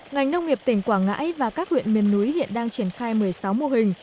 ngành nông nghiệp tỉnh quảng ngãi và các huyện miền núi hiện đang triển khai một mươi sáu mô hình